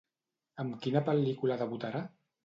Amb quina pel·lícula debutarà?